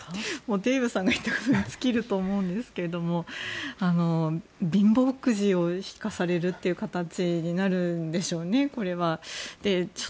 デーブさんが言ったことに尽きると思うんですけど貧乏くじを引かされるという形になるんでしょうね、これは。